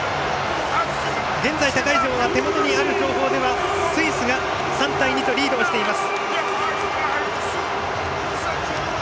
現在、他会場は手元にある情報ではスイスが３対２とリードしています。